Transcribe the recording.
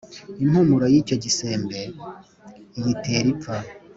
Impumuro y’icyo gisembe iyitera ipfa.